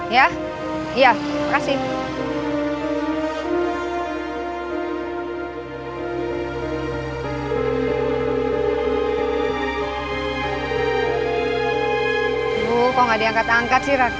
iya ya terima kasih